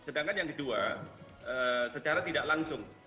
sedangkan yang kedua secara tidak langsung